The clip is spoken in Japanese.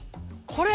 これ？